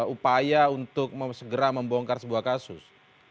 upaya untuk segera membongkar sebuah kasus